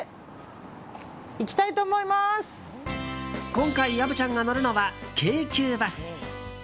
今回、虻ちゃんが乗るのは京急バス。